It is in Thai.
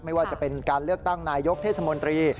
ไม่ว่าจะเป็นการเลือกตั้งนายกเทศมนตรี